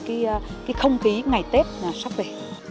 cái không khí ngày tết sắp về